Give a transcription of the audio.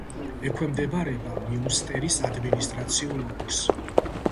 ექვემდებარება მიუნსტერის ადმინისტრაციულ ოლქს.